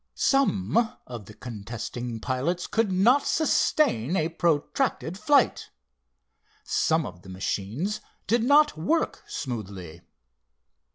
Some of the contesting pilots could not sustain a protracted flight, some of the machines did not work smoothly.